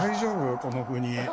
この国。